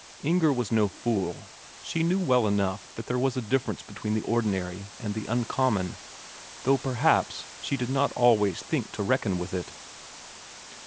Inger was no fool; she knew well enough that there was a difference between the ordinary and the uncommon, though perhaps she did not always think to reckon with it.